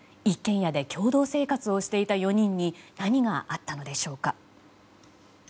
一軒家で共同生活をしていた４人に何があったのでしょうか。